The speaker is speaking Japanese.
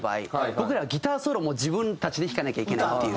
僕らはギターソロも自分たちで弾かなきゃいけないっていう。